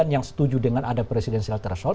yang setuju dengan ada presidensial threshold